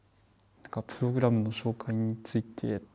プログラムの紹介について。